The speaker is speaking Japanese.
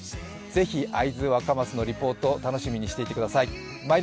ぜひ会津若松のリポート、楽しみにしておいてください。